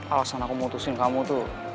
alasan aku mau utusin kamu tuh